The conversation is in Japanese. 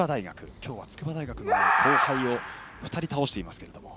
今日は筑波大学の後輩を２人倒していますが。